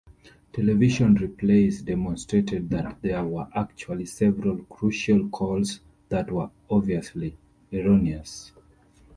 Television replays demonstrated that there were actually several crucial calls that were obviously erroneous.